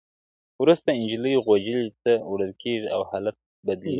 وروسته نجلۍ غوجلې ته وړل کيږي او حالت بدلېږي,